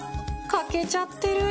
欠けちゃってる。